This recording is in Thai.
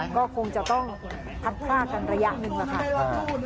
ก็คงจะต้องพัดภาคกันระยะหนึ่งนะครับ